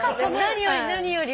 何より何より。